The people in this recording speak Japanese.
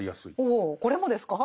おおこれもですか？